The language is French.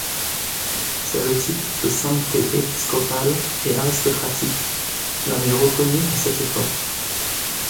C'est le type de sainteté épiscopale et aristocratique, la mieux reconnue à cette époque.